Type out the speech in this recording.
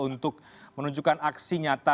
untuk menunjukkan aksi nyata